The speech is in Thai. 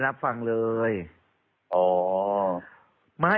เพราะว่าตอนแรกมีการพูดถึงนิติกรคือฝ่ายกฎหมาย